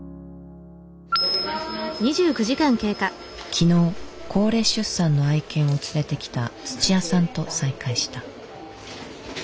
昨日高齢出産の愛犬を連れてきた土屋さんと再会した。